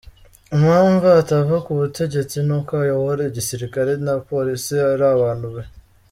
Impamvu atava ku butegetsi, nuko abayobora Igisirikare na Police ari abantu be.